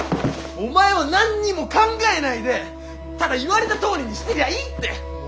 お前は何にも考えないでただ言われたとおりにしてりゃいいんだよ！